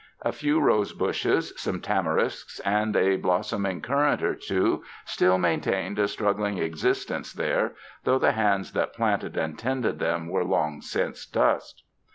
A few rose bushes, some tamarisks and a blossoming currant or two, still maintained a strug gling existence there, though the hands that planted and tended them were long since dust.